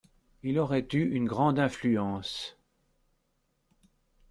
Il aurait eu une grande influence.